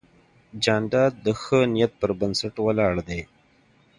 جانداد د ښه نیت پر بنسټ ولاړ دی.